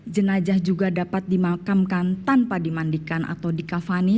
jenajah juga dapat dimakamkan tanpa dimandikan atau dikavani